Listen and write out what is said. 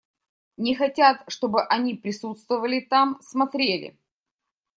Не хотят, чтобы они присутствовали там, смотрели.